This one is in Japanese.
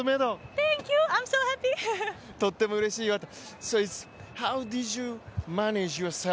とってもうれしいわと。